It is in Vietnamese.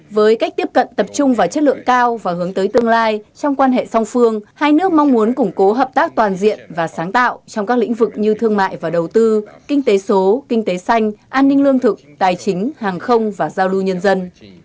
với cách tiếp cận tập trung vào chất lượng cao và hướng tới tương lai trong quan hệ song phương hai nước mong muốn củng cố hợp tác toàn diện và sáng tạo trong các lĩnh vực như thương mại và đầu tư kinh tế số kinh tế xanh an ninh lương thực tài chính hàng không và giao lưu nhân dân